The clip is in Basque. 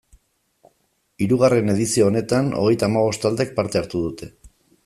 Hirugarren edizio honetan, hogeita hamabost taldek parte hartu dute.